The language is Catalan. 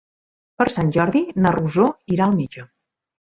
Per Sant Jordi na Rosó irà al metge.